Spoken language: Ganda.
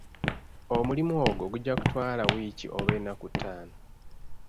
Omulimu ogwo gujja kutwala wiiki oba ennaku ttaano.